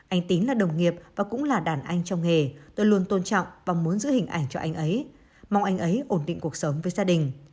anh tín là đồng nghiệp và cũng là đàn anh trong nghề tôi luôn tôn trọng và muốn giữ hình ảnh cho anh ấy mong anh ấy ổn định cuộc sống với gia đình